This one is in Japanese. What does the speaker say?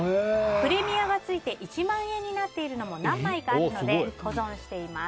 プレミアがついて１万円になっているのも何枚かあるので保存しています。